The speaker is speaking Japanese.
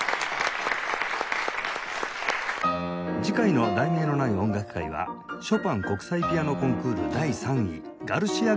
次回の『題名のない音楽会』は「ショパン国際ピアノコンクール第３位ガルシア・ガルシアの音楽会」